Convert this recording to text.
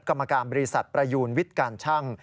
กรรมการบริษัทประยูนวิทย์การชั่ง